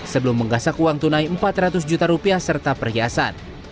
sebelum menggasak uang tunai empat ratus juta rupiah serta perhiasan